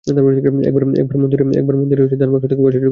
একবার মন্দিরের দানবাক্স থেকে পয়সা চুরি করেছিলাম, আমি আর সুলতান।